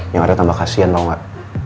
yang ada tambah kasihan tau gak